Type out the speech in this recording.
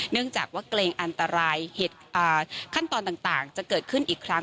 เนื่องจากว่าเกรงอันตรายเหตุขั้นตอนต่างจะเกิดขึ้นอีกครั้ง